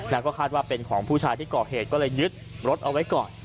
แล้วก็คาดว่าเป็นของผู้ชายที่ก่อเหตุก็เลยยึดรถเอาไว้ก่อน